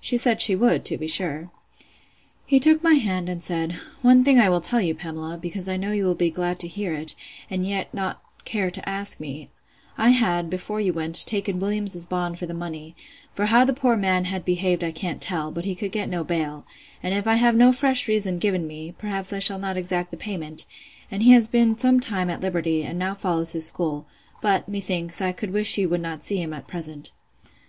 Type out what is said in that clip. She said she would, to be sure. He took my hand, and said, One thing I will tell you, Pamela, because I know you will be glad to hear it, and yet not care to ask me: I had, before you went, taken Williams's bond for the money; for how the poor man had behaved I can't tell, but he could get no bail; and if I have no fresh reason given me, perhaps I shall not exact the payment; and he has been some time at liberty, and now follows his school; but, methinks, I could wish you would not see him at present.